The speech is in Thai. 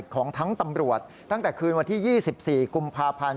ของทั้งตำรวจตั้งแต่คืนวันที่๒๔กุมภาพันธ์